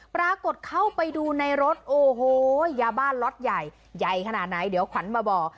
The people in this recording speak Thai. ปรากฏเข้าไปดูในรถโอ้โหยาบ้านล็อตใหญ่ใหญ่ขนาดไหนเดี๋ยวขวัญมาบอก